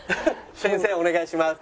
先生お願いします。